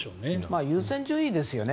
まあ優先順位ですよね。